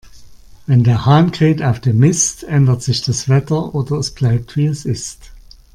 Wenn der Hahn kräht auf dem Mist, ändert sich das Wetter, oder es bleibt, wie es ist.